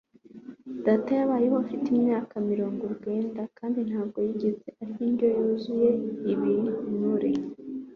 Data yabayeho afite imyaka mirongo urwenda, kandi ntabwo yigeze arya indyo yuzuye ibinure.